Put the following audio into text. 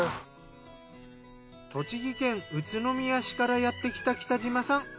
栃木県宇都宮市からやってきた北嶋さん。